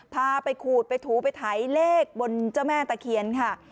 พาไปขูดไปถูไปถ่ายเลขบนเจ้าแม่ตะเคียนค่ะ